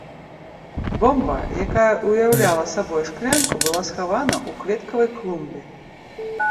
Бомба, якая ўяўляла сабой шклянку, была схавана ў кветкавай клумбе.